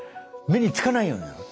目につかないようになる。